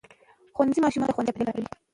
ښوونځی ماشومانو ته خوندي چاپېریال برابروي